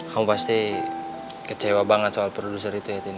kamu pasti kecewa banget soal produser itu ya